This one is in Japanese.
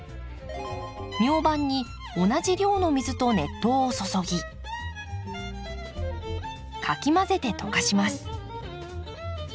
ミョウバンに同じ量の水と熱湯を注ぎかき混ぜて溶かします。